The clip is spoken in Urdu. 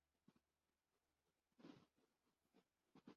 وہ اپنے دن راہگیروں کے خاکے بنانے یا کوشش کرنے میں گزارتا ہے